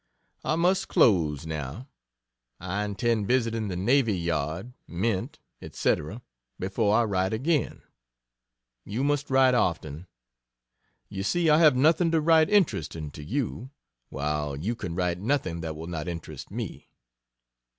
I must close now. I intend visiting the Navy Yard, Mint, etc., before I write again. You must write often. You see I have nothing to write interesting to you, while you can write nothing that will not interest me.